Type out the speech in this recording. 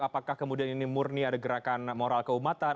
apakah kemudian ini murni ada gerakan moral keumatan